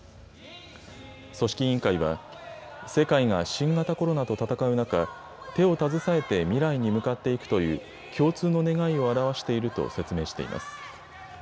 組織委員会は、世界が新型コロナと闘う中、手を携えて未来に向かっていくという共通の願いを表していると説明しています。